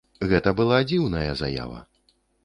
Гэта была дзіўная заява.